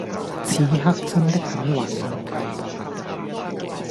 此刻真的很懷念外婆